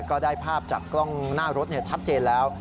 ก็ได้ภาพจากกล้องหน้ารถชัดเจนแล้ว